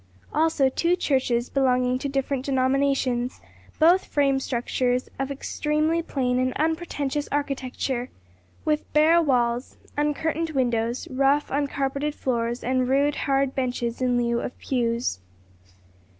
Also two churches belonging to different denominations; both frame structures, of extremely plain and unpretentious architecture, with bare walls, uncurtained windows, rough, uncarpeted floors, and rude hard benches in lieu of pews.